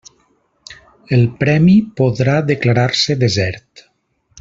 El premi podrà declarar-se desert.